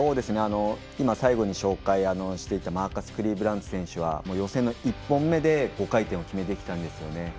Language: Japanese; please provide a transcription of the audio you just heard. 今、最後に紹介していたマーカス・クリーブランド選手は予選の１本目で５回転を決めてきたんですよね。